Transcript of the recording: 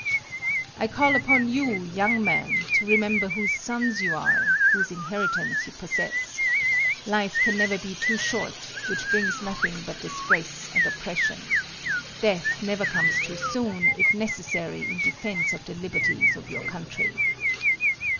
I call upon you, young men, to remember whose sons you are; whose inheritance you possess. Life can never be too short, which brings nothing but disgrace and oppression. Death never comes too soon, if necessary in defence of the liberties of your country.